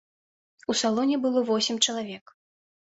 У салоне было восем чалавек.